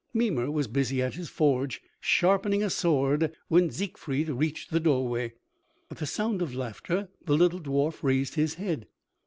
Mimer was busy at his forge sharpening a sword when Siegfried reached the doorway. At the sound of laughter the little dwarf raised his head.